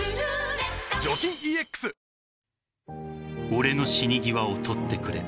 俺の死に際を撮ってくれ。